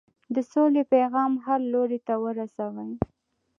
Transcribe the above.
د سولې پیغام هر لوري ته ورسوئ.